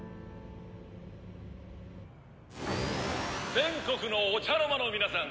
「全国のお茶の間の皆さん